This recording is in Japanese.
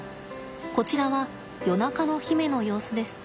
こちらは夜中の媛の様子です。